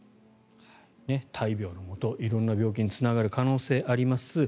大病のもと色んな病気につながる可能性があります。